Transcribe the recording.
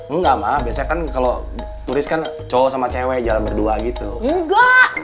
enggak mah biasanya kan kalau turis kan cowok sama cewek jalan berdua gitu enggak